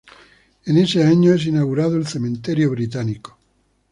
En ese año es inaugurado el Cementerio Británico.